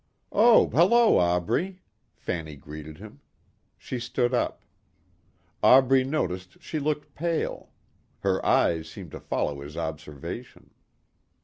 "Oh, hello Aubrey," Fanny greeted him. She stood up. Aubrey noticed she looked pale. Her eyes seemed to follow his observation.